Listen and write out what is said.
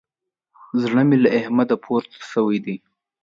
زړه مې له احمده پورته سوی دی.